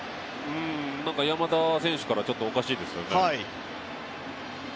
なんか山田選手からちょっとおかしいですよね。